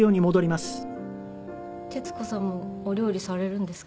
徹子さんもお料理されるんですか？